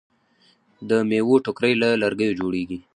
د میوو ټوکرۍ له لرګیو جوړیږي.